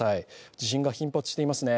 地震が頻発していますね。